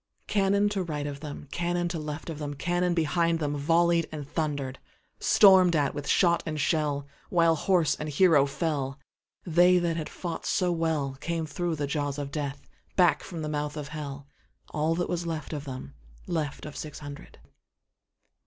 Cannon to right of them, Cannon to left of them, Cannon behind themVolley'd and thunder'd; Storm'd at with shot and shell, While horse and hero fell, They that had fought so wellCame thro' the jaws of Death, Back from the mouth of Hell, All that was left of them, Left of six hundred.